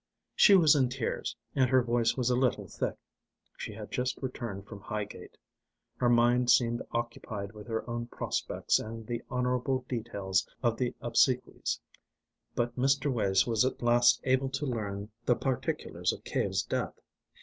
She was in tears, and her voice was a little thick. She had just returned from Highgate. Her mind seemed occupied with her own prospects and the honourable details of the obsequies, but Mr. Wace was at last able to learn the particulars of Cave's death.